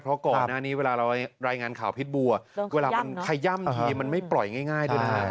เพราะก่อนหน้านี้เวลาเรารายงานข่าวพิษบัวเวลามันขย่ำทีมันไม่ปล่อยง่ายด้วยนะ